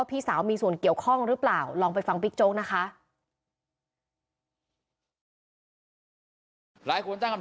พี่สาวมีส่วนเกี่ยวข้องหรือเปล่าลองไปฟังบิ๊กโจ๊กนะคะ